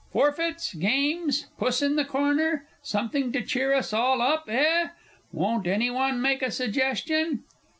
Forfeits, games, Puss in the Corner, something to cheer us all up, eh? Won't any one make a suggestion?